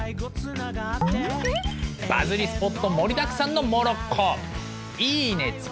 バズりスポット盛りだくさんのモロッコ。